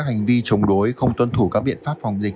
hành vi chống đối không tuân thủ các biện pháp phòng dịch